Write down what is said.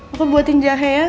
aku buatin jahe ya